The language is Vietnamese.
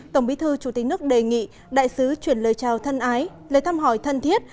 tổng bí thư chủ tịch nước đề nghị đại sứ chuyển lời chào thân ái lời thăm hỏi thân thiết